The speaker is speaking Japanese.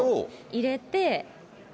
入れて。